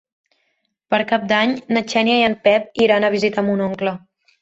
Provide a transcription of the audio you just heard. Per Cap d'Any na Xènia i en Pep iran a visitar mon oncle.